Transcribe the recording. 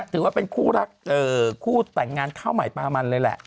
ถือว่าเป็นคู่รักคู่แต่งงานข้าวใหม่ปลามันเลยแหละ